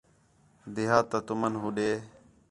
دیہات تا تُمن ہو ݙے